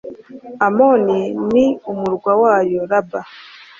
Amoni n’umurwa wayo, Raba